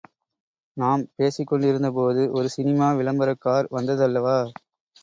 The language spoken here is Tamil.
நாம் பேசிக்கிட்டிருந்தபோது ஒரு சினிமா விளம்பர கார் வந்ததல்லவா?